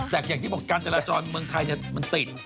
แต่อย่างที่บอกการจราจรเมืองไทยมันติด